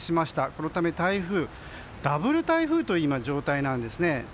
このため今ダブル台風という状態なんですね。